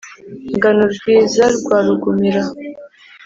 ngana urwiza rwa rugumira